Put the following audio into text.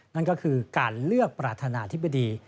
นั่นก็คือการเลือกประธานาธิบดี